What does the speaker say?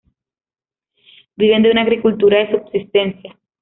Viven de una agricultura de subsistencia.